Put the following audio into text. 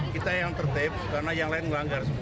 kita yang tertip karena yang lain melanggar semua